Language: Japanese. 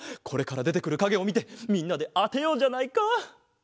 これからでてくるかげをみてみんなであてようじゃないか。